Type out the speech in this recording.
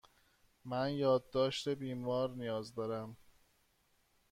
من یادداشت بیمار نیاز دارم.